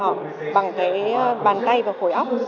trong cuộc sống của họ bằng cái bàn tay và khối óc